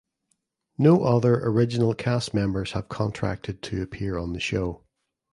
No other original cast members have contracted to appear on the show.